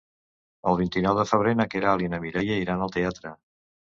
El vint-i-nou de febrer na Queralt i na Mireia iran al teatre.